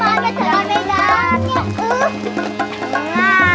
gak ada perbedaannya tuh